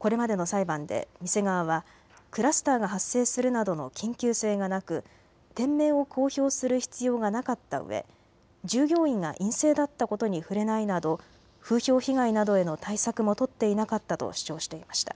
これまでの裁判で店側はクラスターが発生するなどの緊急性がなく店名を公表する必要がなかったうえ、従業員が陰性だったことに触れないなど風評被害などへの対策も取っていなかったと主張していました。